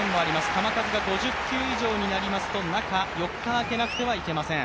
球数が５０球以上となりますと、中４日あけなければなりません。